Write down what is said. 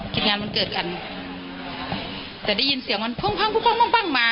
คิดงานมันเกิดกันแต่ได้ยินเสียงมันพว่างพว่างพว่างพว่างพว่างมา